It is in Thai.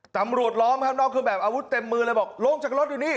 ตำรวจร้องครับนอกคือแบบอาวุธเต็มมือเลยบอกลงจากรถอยู่นี่